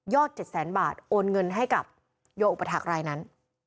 ยอด๗๐๐๐๐๐บาทโอนเงินให้กับโยอุปถักรายนั้น